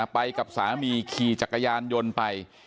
ไปกับสามีขี่จักรยานยนต์ไป